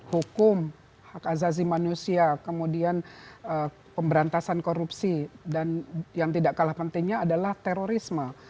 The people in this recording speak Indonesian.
hukum hak azazi manusia kemudian pemberantasan korupsi dan yang tidak kalah pentingnya adalah terorisme